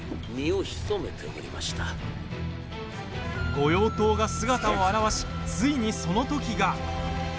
御用盗が姿を現しついに、その時が。